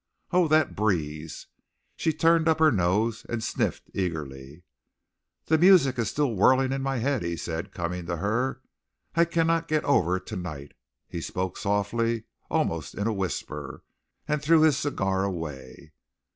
"Oh, that breeze!" She turned up her nose and sniffed eagerly. "The music is still whirling in my head," he said, coming to her. "I cannot get over tonight." He spoke softly almost in a whisper and threw his cigar away.